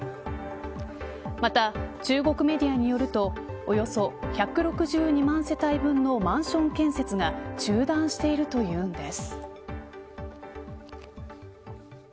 また、中国メディアによるとおよそ１６２万世帯分のマンション建設が中断しているというんです。